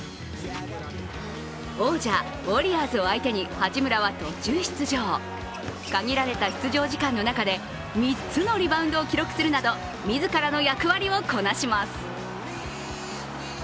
王者ウォリアーズを相手に八村は途中出場。限られた出場時間の中で３つのリバウンドを記録するなどみずからの役割をこなします。